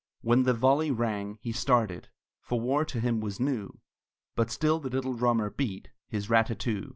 When the volley rang, he started, For war to him was new; But still the little drummer beat His rat tat too.